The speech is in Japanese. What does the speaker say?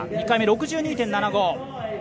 ２回目、６２．７５。